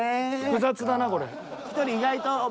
複雑だなこれ。